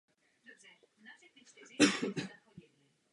Nad hlavním vstupem zakrývá varhanní kruchta celou šířku lodi.